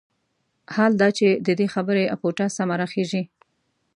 حال دا چې د دې خبرې اپوټه سمه راخېژي.